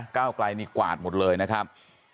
ก้าวไกลนี่กวาดหมดเลยนะครับ